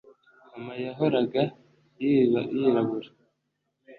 Mama yahoraga yirabura